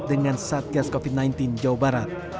dengan saat gas covid sembilan belas jawa barat